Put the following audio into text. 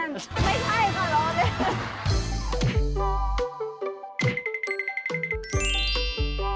ไม่ใช่ค่ะรอเลย